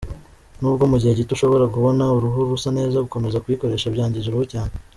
Nubwo mu gihe gito ushobora kubona uruhu rusa neza gukomeza kuyikoresha byangiza uruhu cyane.